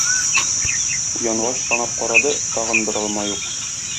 Уянгач санап карады, тагын бер алма юк.